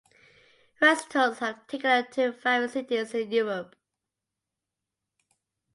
Recitals have taken her to various cities in Europe.